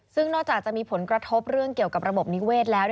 ซึ่งนอกจากจะมีผลกระทบเรื่องเกี่ยวกับระบบนิเวศแล้ว